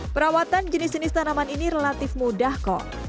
perawatan jenis jenis tanaman ini relatif mudah kok